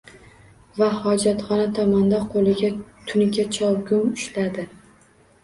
Va hojatxona tomonda qo‘liga tunuka chovgum ushladi.